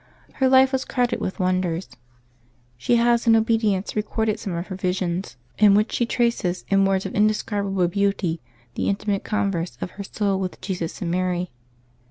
Her life was crowded with wonders. She has in obedience recorded some of her visions, in which she traces in words of indescribable beauty the intimate converse of her soul with Jesus and Mary.